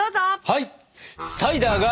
はい！